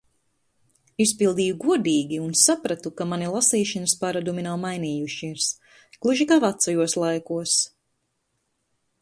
Izpildīju godīgi un sapratu, ka mani lasīšanas paradumi nav mainījušies. Gluži kā vecajos laikos.